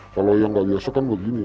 kalau yang gak biasa kan kayak begini